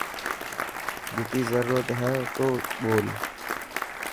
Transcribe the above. جتي ضرورت هي اوتو جول.